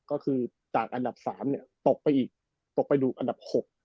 ก็คือจากอันดับ๓ตกไปอีกตกไปดูอันดับ๖